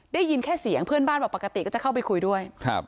ได้ยินแค่เสียงเพื่อนบ้านบอกปกติก็จะเข้าไปคุยด้วย